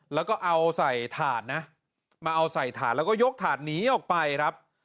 แล้วก็เอาใส่ถาดนะมาเอาใส่ถาดแล้วก็ยกถาดหนีออกไปครับ